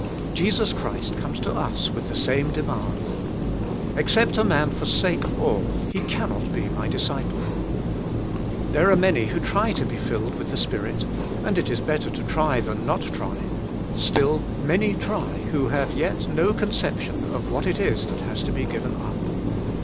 Jesus Christ comes to us with the same demand — "Except a man forsake all he cannot be My dis ciple." There are many who try to be filled with the Spirit — and it is better to try than not to try — still many try, who yet have no conception of what it is that has to be g iven up.